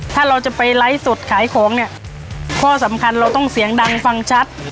ถ้าเราจะไปไลฟ์สดขายของเนี่ยข้อสำคัญเราต้องเสียงดังฟังชัด